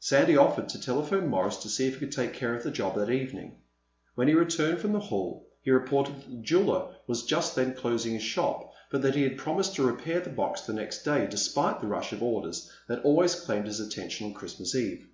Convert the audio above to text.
Sandy offered to telephone Morris to see if he could take care of the job that evening. When he returned from the hall he reported that the jeweler was just then closing his shop, but that he had promised to repair the box the next day despite the rush of orders that always claimed his attention on Christmas Eve.